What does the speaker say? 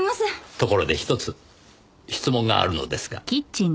ところでひとつ質問があるのですが。